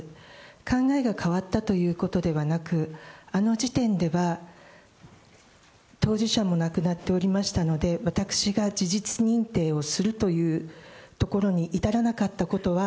考えが変わったということではなく、あの時点では当事者も亡くなっておりましたので、私が事実認定をするというところに至らなかったことは、